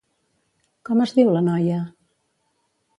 Com es diu la noia?